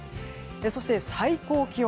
そして最高気温。